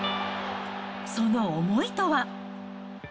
その思いとは。